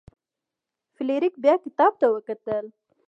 فلیریک بیا کتاب ته وکتل.